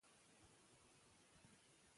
که مینه وي نو سینګار وي.